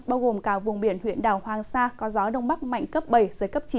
bao gồm cả vùng biển huyện đảo hoàng sa có gió đông bắc mạnh cấp bảy giới cấp chín